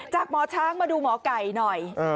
หมอช้างมาดูหมอไก่หน่อย